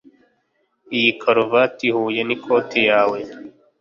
Iyi karuvati ihuye nikoti yawe